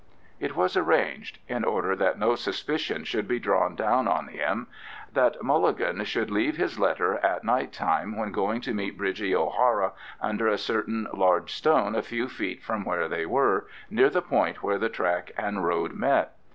It was arranged, in order that no suspicion should be drawn down on him, that Mulligan should leave his letter at night time when going to meet Bridgie O'Hara under a certain large stone a few feet from where they were, near the point where the track and road met.